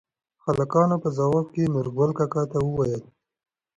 هلکانو په ځواب کې نورګل کاکا ته ووېل: